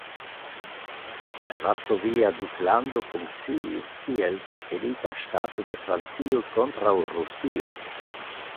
La Varsovia Duklando funkciis kiel satelita ŝtato de Francio kontraŭ Rusio.